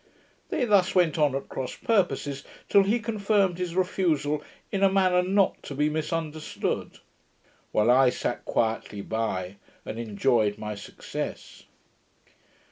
They thus went on at cross purposes, till he confirmed his refusal in a manner not to be misunderstood; while I sat quietly by, and enjoyed my success.